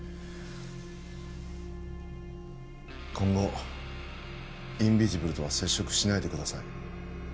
今後インビジブルとは接触しないでください